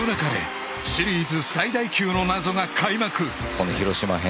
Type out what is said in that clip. この広島編